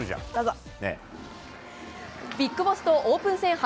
ビッグボスとオープン戦